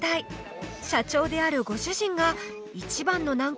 社長であるご主人が一番の難関